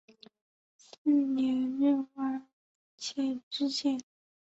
次年任万安县知县。